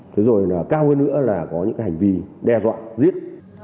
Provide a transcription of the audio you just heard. thế rồi cao hơn nữa là có những hành vi đe dọa giết